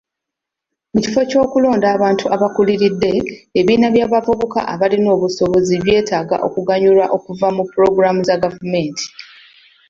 Mu kifo ky'okulonda abantu abakuliridde, ebibiina by'abavubuka abalina obusobozi byetaaga okuganyulwa okuva mu pulogulaamu za gavumenti.